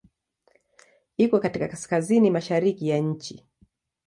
Iko katika kaskazini-mashariki ya nchi.